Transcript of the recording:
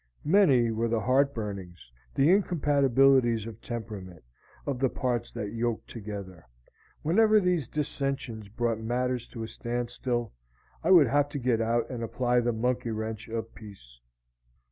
Many were the heartburnings, the incompatibilities of temperament, of the parts thus yoked together. Whenever these dissentions brought matters to a standstill, I would have to get out and apply the monkey wrench of peace.